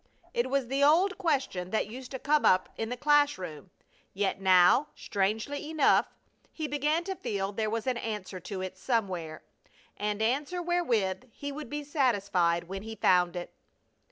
It was the old question that used to come up in the class room, yet now, strangely enough, he began to feel there was an answer to it somewhere; an answer wherewith he would be satisfied when he found it.